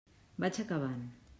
Vaig acabant.